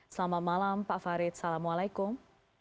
selamat malam pak farid assalamualaikum